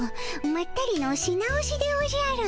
まったりのし直しでおじゃる。